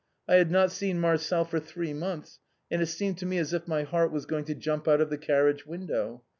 I had not seen Marcel for three months, and it seemed to me as if my heart was going to jump out of the carriage window.